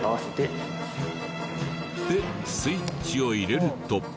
でスイッチを入れると。